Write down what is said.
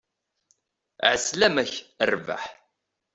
Ɛeslama-k, a rrbeḥ!